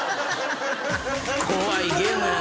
怖いゲームやな。